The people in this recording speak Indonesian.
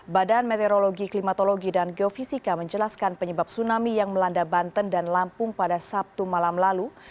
badan meteorologi klimatologi dan geofisika menjelaskan penyebab tsunami yang melanda banten dan lampung pada sabtu malam lalu